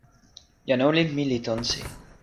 jan olin mi li tonsi.